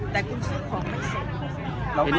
แต่คุณซึ่งของไม่เสียดี